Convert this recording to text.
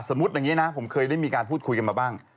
อย่างนี้นะผมเคยได้มีการพูดคุยกันมาบ้าง